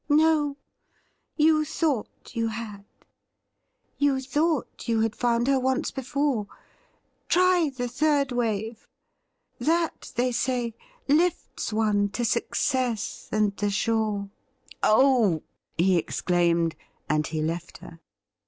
' No ; you thought you had. You thought you had foimd her once before ; try the third wave — that, they say, lifts one to success and the shore.' ' Oh !' he exclaimed, and he left her.